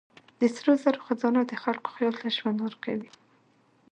د سرو زرو خزانه د خلکو خیال ته ژوند ورکوي.